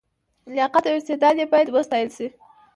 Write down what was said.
لیاقت او استعداد یې باید وستایل شي.